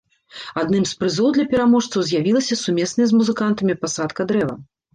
Адным з прызоў для пераможцаў з'явілася сумесная з музыкантамі пасадка дрэва.